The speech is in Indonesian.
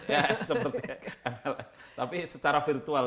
ya seperti apa tapi secara virtual